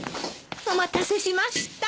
お待たせしました。